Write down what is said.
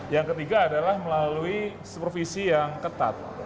yang ketiga adalah melalui supervisi yang ketat